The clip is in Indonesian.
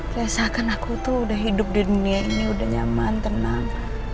perasaan aku tuh udah hidup di dunia ini udah nyaman tenang